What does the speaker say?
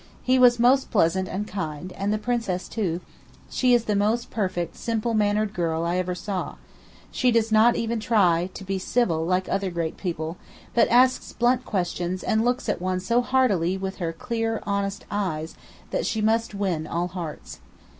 He was most pleasant and kind, and the Princess too; she is the most perfectly simple mannered girl I ever saw; she does not even try to be civil like other great people, but asks blunt questions and looks at one so heartily with her clear, honest eyes, that she must win all hearts.